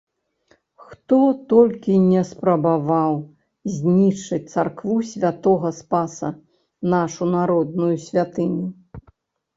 Хто толькі не спрабаваў зьнішчыць царкву Сьвятога Спаса - нашую народную сьвятыню?